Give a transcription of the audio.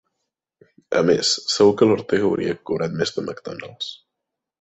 A més, segur que l'Ortega hauria cobrat més de McDonalds.